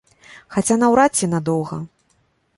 Хаця наўрад ці надоўга.